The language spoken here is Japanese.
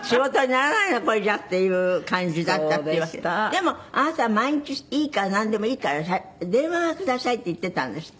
でもあなたは毎日なんでもいいから電話はくださいって言ってたんですって？